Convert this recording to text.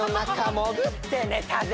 もぐって寝たぜ。